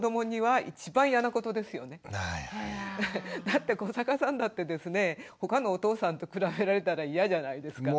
だって古坂さんだってですねほかのお父さんと比べられたらいやじゃないですか？